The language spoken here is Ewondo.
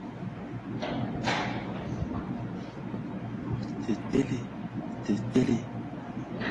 Tə tele! Te tele.